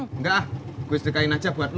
enggak ah gue sedekahin aja buat lo